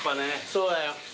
そうだよ。